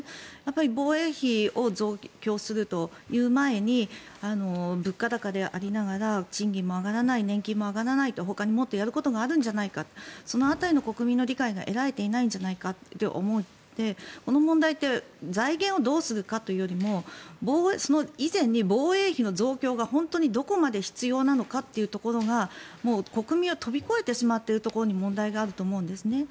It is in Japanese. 防衛費を増強するという前に物価高でありながら賃金も上がらない年金も上がらないと、ほかにもっとやることがあるんじゃないかその辺りの国民の理解が得られてないんじゃないかと思ってこの問題って財源をどうするかという問題よりも防衛費の増強が本当にどこまで必要なのかというところが国民を飛び越えてしまっているところに問題があると思うんですね。